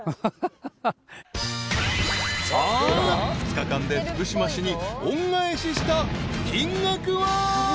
［さあ２日間で福島市に恩返しした金額は？］